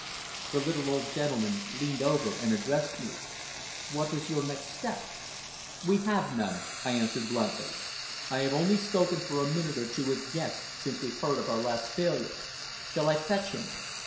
The little old gentleman leaned over and addressed me. "What is your next step?" "We have none," I answered bluntly. "I have only spoken for a minute or two with Guest since we heard of our last failure. Shall I fetch him?"